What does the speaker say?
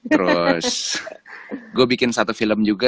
terus gue bikin satu film juga